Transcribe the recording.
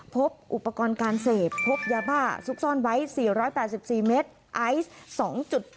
พบอุปกรณ์การเสพพบยาบ้าซุกซ่อนไว้๔๘๔เมตรไอซ์๒๘